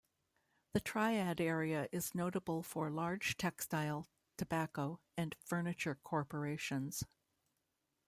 The Triad area is notable for large textile, tobacco, and furniture corporations.